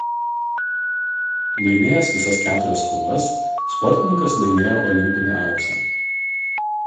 Laimėjęs visas keturias kovas sportininkas laimėjo olimpinį auksą.